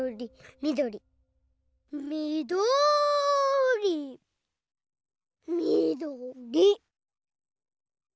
みどりみどりみどり？